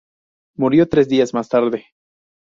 Murió tres días más tarde.